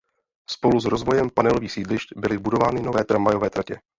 Spolu s rozvojem panelových sídlišť byly budovány nové tramvajové tratě.